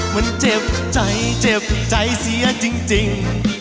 มันเจ็บใจเจ็บใจเสียจริง